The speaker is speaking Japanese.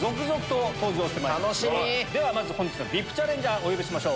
まず本日のＶＩＰチャレンジャーお呼びしましょう。